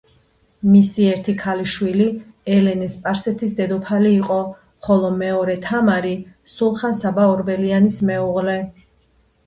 მისი ერთი ქალიშვილი, ელენე სპარსეთის დედოფალი იყო, ხოლო მეორე, თამარი სულხან-საბა ორბელიანის მეუღლე.